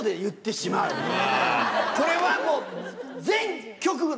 これはもう。